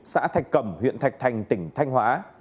xã thạch cẩm huyện thạch thành tỉnh thanh hóa